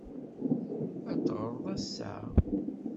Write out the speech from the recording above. Ad teɣṛeḍ ass-a?